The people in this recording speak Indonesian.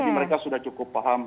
jadi mereka sudah cukup paham